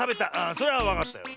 それはわかったよ。